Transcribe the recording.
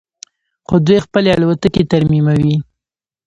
خو دوی خپلې الوتکې ترمیموي.